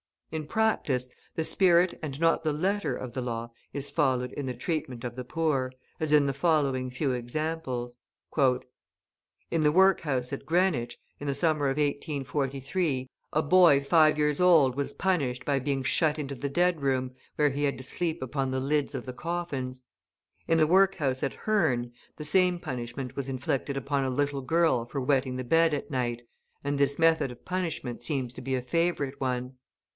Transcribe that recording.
In practice, the spirit and not the letter of the law is followed in the treatment of the poor, as in the following few examples: "In the workhouse at Greenwich, in the summer of 1843, a boy five years old was punished by being shut into the dead room, where he had to sleep upon the lids of the coffins. In the workhouse at Herne, the same punishment was inflicted upon a little girl for wetting the bed at night, and this method of punishment seems to be a favourite one.